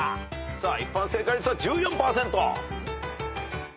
一般正解率は１４％。